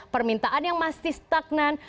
permintaan yang masih stagnan